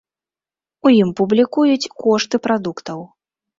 У ім публікуюць кошты прадуктаў.